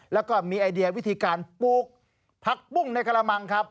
แล้วก็มีไอเดียวิธีการปลูกผักปุ้งในกระมังครับ